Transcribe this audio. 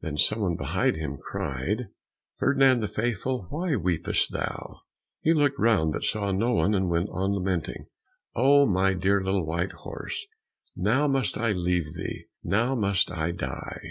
Then someone behind him cried, "Ferdinand the Faithful, why weepest thou?" He looked round but saw no one, and went on lamenting; "Oh, my dear little white horse, now must I leave thee; now must I die."